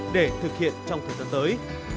để thực hiện trong thời gian tới